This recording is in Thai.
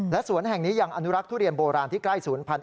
และสวนแห่งนี้ยังอนุรักษ์ทุเรียนโบราณที่ใกล้๐๐๐๐บาท